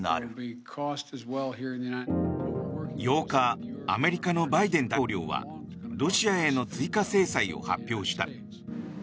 ８日アメリカのバイデン大統領はロシアへの追加制裁を発表した。